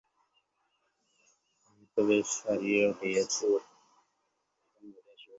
আমি তো বেশ সারিয়া উঠিয়াছি।